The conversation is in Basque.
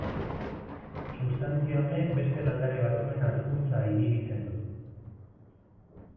Sustantzia honek beste landare batzuen hazkuntza inhibitzen du.